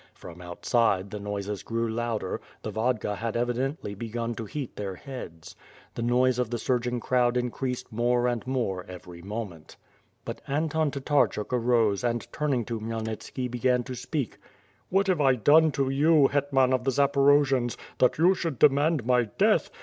From outside, the noises grew louder, the vodka had evidently begun to heat their heads. The noise of the surg ing crowd increased more and more every moment. But Anton Tatarchuk arose and, turning to Khmyelnitski, began to speak: "What have I done to you, Hetman of the Zaporojians, that you should demand my death?